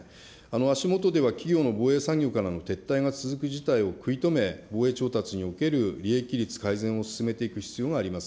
足下では企業の防衛産業からの撤退が続く事態を食い止め、防衛調達における利益率改善を進めていく必要があります。